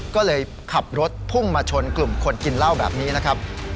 ก็เลยขับรถพุ่งมาชนกลุ่มคนกินเหล้าแบบนี้นะครับ